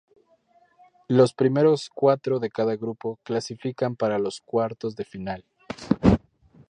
Los primeros cuatro de cada grupo clasifican para los cuartos de final.